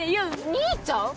「兄ちゃん」？